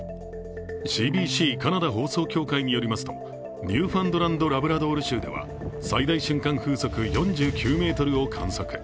ＣＢＣ＝カナダ放送協会によりますと、ニューファンドランド・ラブラドール州では最大瞬間風速４９メートルを観測。